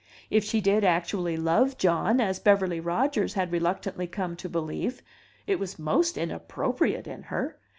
If she did actually love John, as Beverly Rodgers had reluctantly come to believe, it was most inappropriate in her!